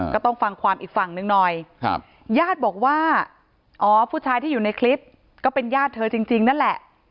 ก็ต้องฟังความอีกฝั่งหนึ่งหน่อยญาติบอกว่าอ๋อผู้ชายที่อยู่ในคลิปก็เป็นญาติเธอจริงนั่นแหละ